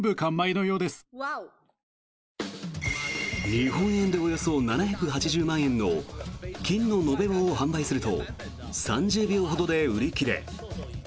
日本円でおよそ７８０万円の金の延べ棒を販売すると３０秒ほどで売り切れ。